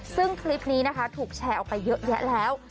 ซึ่งคลิปนี้นะคะถูกแชร์ออกไปเยอะแยะแล้ว